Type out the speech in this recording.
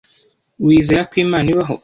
Wizera ko Imana ibaho?